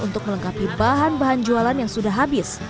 untuk melengkapi bahan bahan jualan yang sudah habis